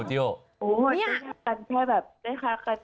กลางแบบได้ค้ากัน